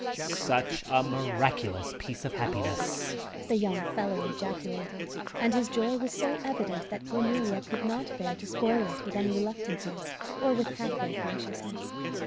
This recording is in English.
"Such a miraculous piece of happiness!" the young fellow ejaculated; and his joy was so evident that Cornelia could not bear to spoil it with any reluctances, or with half way graciousness.